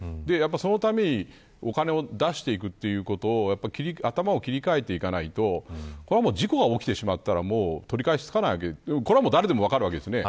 そのためにお金を出していくということに頭を切り替えていかないと事故が起きてしまったら取り返しがつかないということは誰でも分かるわけです。